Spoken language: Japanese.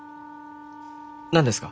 何ですか？